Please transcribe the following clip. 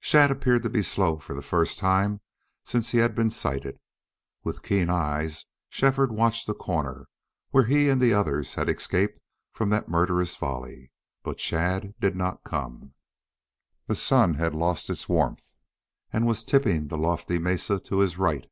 Shadd appeared to be slow for the first time since he had been sighted. With keen eyes Shefford watched the corner where he and the others had escaped from that murderous volley. But Shadd did not come. The sun had lost its warmth and was tipping the lofty mesa to his right.